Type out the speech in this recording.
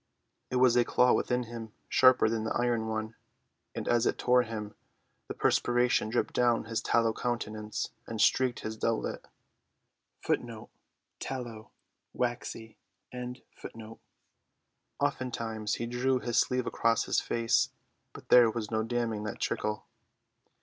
It was a claw within him sharper than the iron one; and as it tore him, the perspiration dripped down his tallow countenance and streaked his doublet. Ofttimes he drew his sleeve across his face, but there was no damming that trickle.